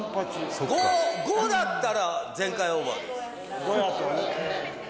５だったら前回オーバーです。